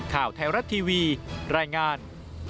ข่าวไทยรัฐทีวีรายงาน